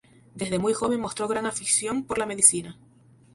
Desde muy joven mostró gran afición por la medicina.